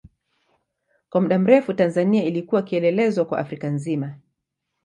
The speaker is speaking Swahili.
Kwa muda mrefu Tanzania ilikuwa kielelezo kwa Afrika nzima.